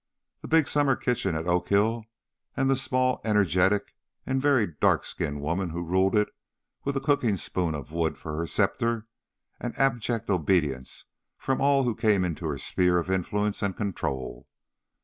The big summer kitchen at Oak Hill and the small, energetic, and very dark skinned woman who ruled it with a cooking spoon of wood for her scepter and abject obedience from all who came into her sphere of influence and control.